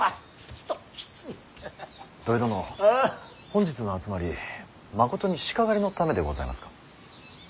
本日の集まりまことに鹿狩りのためでございますか。